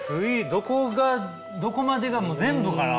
どこがどこまでがもう全部かな。